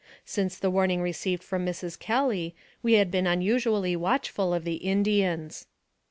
Since the warning received from Mrs. Kelly, we had been unusually watchful of the Indians.